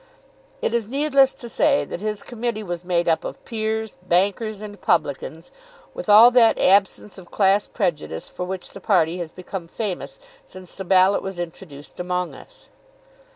It is needless to say that his committee was made up of peers, bankers, and publicans, with all that absence of class prejudice for which the party has become famous since the ballot was introduced among us.